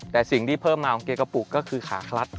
แต่สิ่งที่เพิ่มมาของเกียร์กระปุกก็คือขาคลัด